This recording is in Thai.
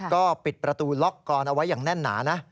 ก็ปิดประตูล็อกกรอนเอาไว้อย่างแน่นหนานะ